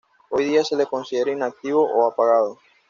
Hoy día se le considera inactivo o apagado.